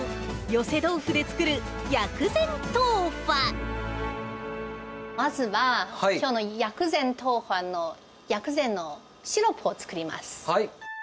寄せ豆腐で作るまずは、きょうの薬膳トウファの、薬膳のシロップを作ります。